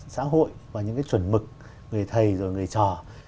xã hội và những cái chuẩn mực người thầy rồi người trò